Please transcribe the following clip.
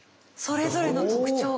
それぞれの特徴が。